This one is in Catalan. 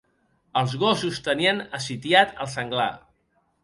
Els gossos tenien assitiat el senglar.